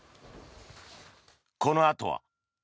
このあとは。